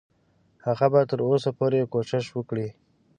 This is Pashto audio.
هغه به تر اوسه پورې کوشش وکړي.